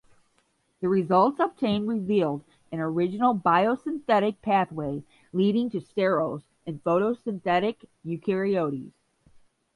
The results obtained revealed an original biosynthetic pathway leading to sterols in photosynthetic eukaryotes.